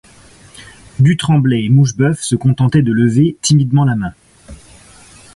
Dutremblay et Moucheboeuf se contentaient de lever timidement la main.